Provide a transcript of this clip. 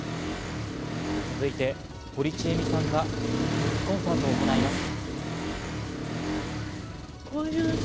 続いて、堀ちえみさんが復帰コンサートを行います。